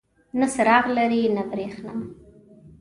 نه څراغ لري نه بریښنا.